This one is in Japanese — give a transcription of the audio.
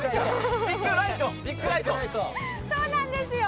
そうなんですよ。